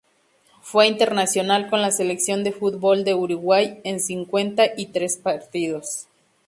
Fue internacional con la selección de fútbol de Uruguay en cincuenta y tres partidos.